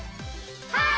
はい！